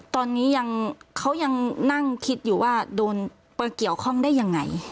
ตอนนี้ยังเขายังนั่งคิดอยู่ว่าโดนเกี่ยวข้องได้ยังไง